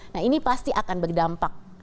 nah ini pasti akan berdampak